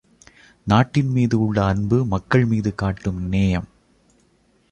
நாட்டின்மீது உள்ள அன்பு மக்கள்மீது காட்டும் நேயம்.